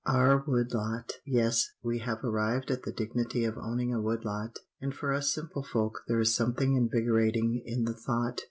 Our wood lot! Yes, we have arrived at the dignity of owning a wood lot, and for us simple folk there is something invigorating in the thought.